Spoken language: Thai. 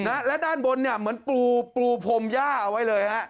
นะและด้านบนเนี่ยเหมือนปูปูพรมย่าเอาไว้เลยฮะ